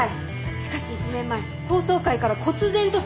しかし１年前法曹界からこつ然と姿を消した。